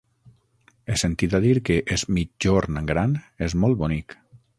He sentit a dir que Es Migjorn Gran és molt bonic.